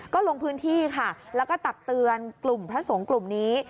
ก็ลงพื้นที่ค่ะแล้วก็ตักเตือนกลุ่มพระสงฆ์กลุ่มนี้